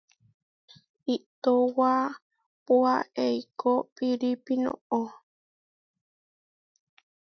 Iʼtowápua eikó piirípi noʼó.